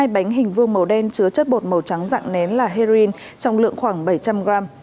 hai bánh hình vương màu đen chứa chất bột màu trắng dạng nén là heroin trọng lượng khoảng bảy trăm linh gram